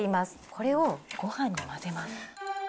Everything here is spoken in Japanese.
これをごはんに混ぜます。